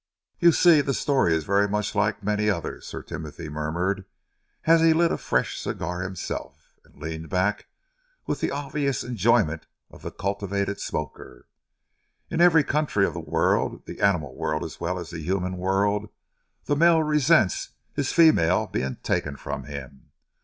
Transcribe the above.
"You see, the story is very much like many others," Sir Timothy murmured, as he lit a fresh Cigar himself and leaned back with the obvious enjoyment of the cultivated smoker. "In every country of the world, the animal world as well as the human world, the male resents his female being taken from him.